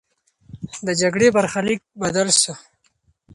د جګړې برخلیک بدل سو.